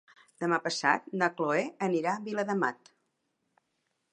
Demà passat na Cloè anirà a Viladamat.